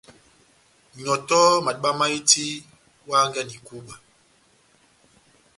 Nyɔtɔhɔ madíba máhiti, ohangɛ na ikúbwa.